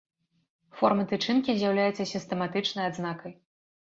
Форма тычынкі з'яўляецца сістэматычнай адзнакай.